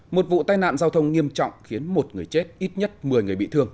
một vụ tai nạn giao thông nghiêm trọng khiến một người chết ít nhất một mươi người bị thương